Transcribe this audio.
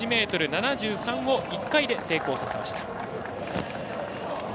１ｍ７３を１回で成功させました。